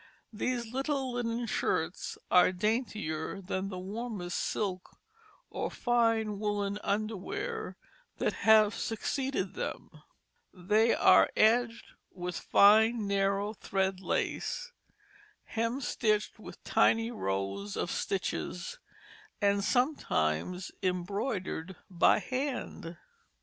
These little linen shirts are daintier than the warmest silk or fine woollen underwear that have succeeded them; they are edged with fine narrow thread lace, hemstitched with tiny rows of stitches, and sometimes embroidered by hand.